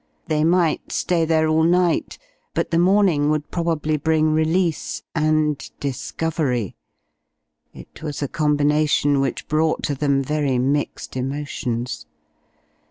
They might stay there all night, but the morning would probably bring release and discovery. It was a combination which brought to them very mixed emotions.